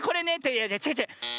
いやちがうちがう。